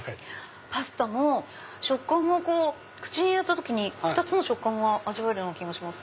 パスタも食感が口に入れた時に２つの食感が味わえる気がします。